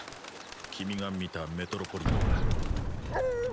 君が見たメトロポリマンはえっと